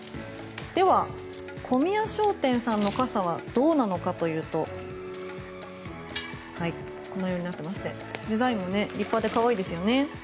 では、小宮商店さんの傘はどうなのかというとこのようになっていましてデザインも立派で可愛いですよね。